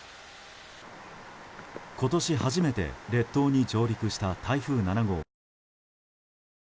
今年初めて列島に上陸した台風７号。